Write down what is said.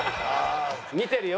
見てるよ